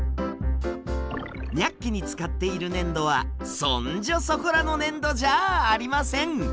「ニャッキ！」に使っている粘土はそんじょそこらの粘土じゃありません。